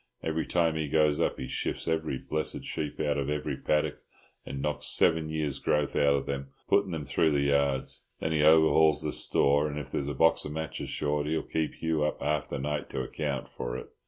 Every time he goes up he shifts every blessed sheep out of every paddock, and knocks seven years' growth out of them putting them through the yards; then he overhauls the store, and if there's a box of matches short he'll keep Hugh up half the night to account for it.